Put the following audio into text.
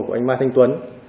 của anh mai thanh tuấn